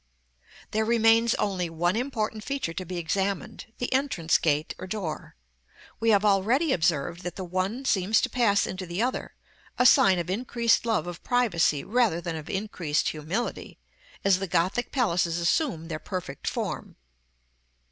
§ L. There remains only one important feature to be examined, the entrance gate or door. We have already observed that the one seems to pass into the other, a sign of increased love of privacy rather than of increased humility, as the Gothic palaces assume their perfect form.